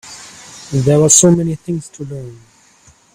There are so many things to learn.